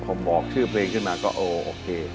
พอบอกชื่อเพลงขึ้นมาก็โอเค